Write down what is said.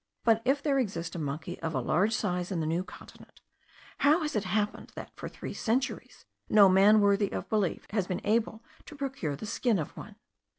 But if there exist a monkey of a large size in the New Continent, how has it happened that for three centuries no man worthy of belief has been able to procure the skin of one?